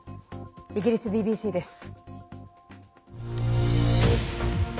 イギリスＢＢＣです。